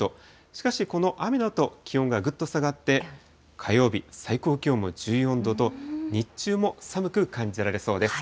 しかし、この雨だと気温がぐっと下がって、火曜日、最高気温も１４度と、日中も寒く感じられそうです。